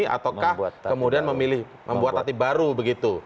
ataukah kemudian membuat tatip baru begitu